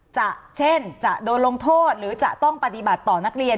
จะเช่นจะโดนลงโทษหรือจะต้องปฏิบัติต่อนักเรียน